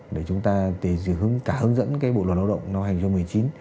để chúng ta để giữ hướng cả hướng dẫn cái bộ luật lao động năm hai nghìn một mươi chín